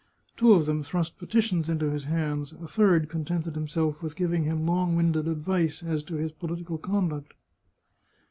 Two of them thrust petitions into his hands, a third contented himself with giving him long winded advice as to his political conduct.